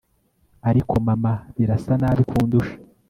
ariko mama birasa nabi kundusha